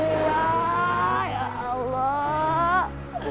ma ikut senang teman teman yang belas